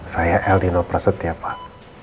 saya el dino prasut ya pak